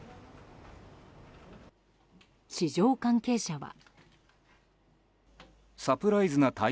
市場関係者は。